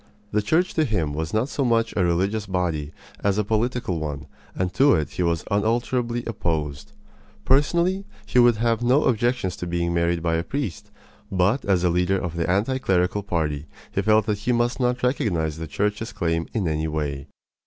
The Church to him was not so much a religious body as a political one, and to it he was unalterably opposed. Personally, he would have no objections to being married by a priest; but as a leader of the anti clerical party he felt that he must not recognize the Church's claim in any way.